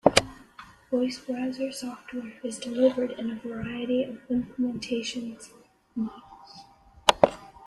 Voice browser software is delivered in a variety of implementations models.